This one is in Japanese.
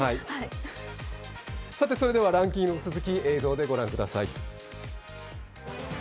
さて、ランキングの続き映像でご覧ください。